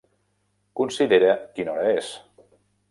Considera quina hora és.